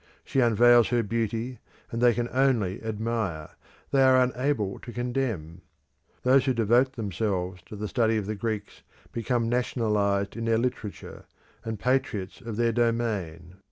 She unveils her beauty, and they can only admire: they are unable to condemn. Those who devote themselves to the study of the Greeks become nationalised in their literature, and patriots of their domain.